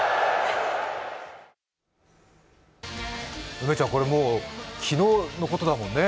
梅ちゃんこれ昨日のことだもんね。